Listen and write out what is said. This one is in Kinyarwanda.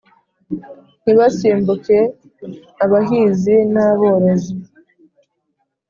ntibasimbuke abahizi na borozi